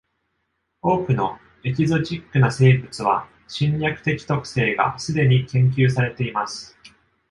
多くのエキゾチックな生物は侵略的特性がすでに研究されています。